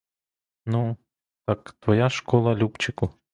Ну, так, твоя школа, любчику.